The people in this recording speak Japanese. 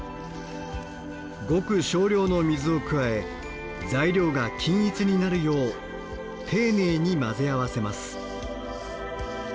ごく少量の水を加え材料が均一になるよう丁寧に混ぜ合わせます。